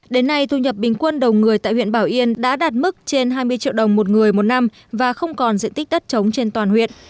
đến nay thu nhập bình quân đầu người tại huyện bảo yên đã đạt mức trên hai mươi triệu đồng một người một năm và không còn diện tích đất trống trên toàn huyện